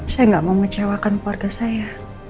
saya nggak mau mengecewakan keluarga saya